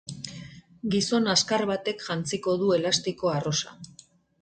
Gizon azkar batek jantziko du elastiko arrosa.